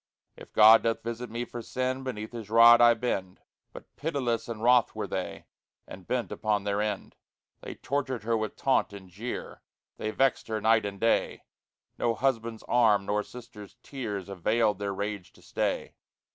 "If God doth visit me for sin, Beneath His rod I bend," But pitiless and wroth were they, And bent upon their end. They tortured her with taunt and jeer, They vexed her night and day No husband's arm nor sister's tears Availed their rage to stay.